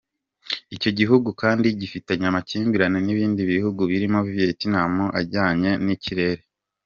Icyo gihugu kandi gifitanye amakimbirane n’ibindi bihugu birimo Vietnam, ajyanye n’ikirere.